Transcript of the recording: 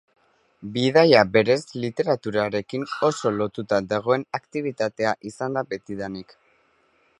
Bidaia berez literaturarekin oso lotuta dagoen aktibitatea izan da betidanik.